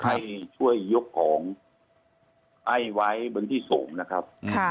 ให้ช่วยยกของไอ้ไว้บนที่สูงนะครับ